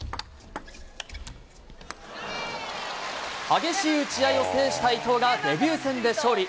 激しい打ち合いを制した伊藤がデビュー戦で勝利。